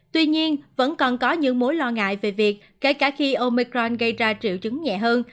tuy nhiên vẫn còn có những mối lo ngại về việc kể cả khi omicron gây ra triệu chứng nhẹ hơn